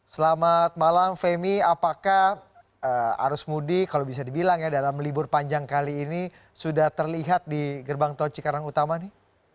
selamat malam femi apakah arus mudik kalau bisa dibilang ya dalam libur panjang kali ini sudah terlihat di gerbang tol cikarang utama nih